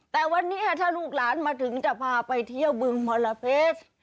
แต่วันนี้ถ้าลูกหลานมาถึงจะพาไปเที่ยวบึงมรเพชร